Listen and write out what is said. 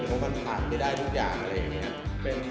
เพราะมันผ่านไปได้ทุกอย่างอะไรอย่างนี้